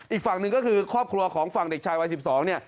อีกฝั่งหนึ่งก็คือครอบครัวของฝั่งเด็กชายวัย๑๒เนี่ย